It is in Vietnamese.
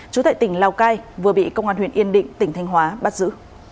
chú tại tỉnh lào cai vừa bị công an huyện yên định tỉnh thanh hóa bắt giữ